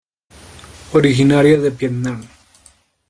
Originaria de Vietnam.